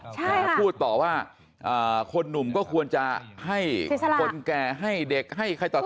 ใช่ค่ะพูดต่อว่าเอ่อคนหนุ่มก็ควรจะให้คนแก่ให้เด็กให้ใครต่อใจ